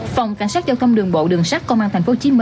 phòng cảnh sát giao thông đường bộ đường sát công an tp hcm